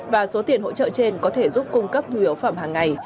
và số tiền hỗ trợ trên có thể giúp cung cấp nhu yếu phẩm hàng ngày